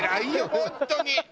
本当に！